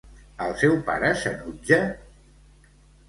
El seu pare s'enutja?